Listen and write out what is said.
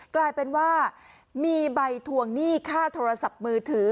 กลายเป็นว่ามีใบทวงหนี้ค่าโทรศัพท์มือถือ